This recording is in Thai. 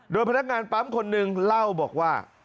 โดยพนักงานปั๊มคนหนึ่งเล่าบอกว่า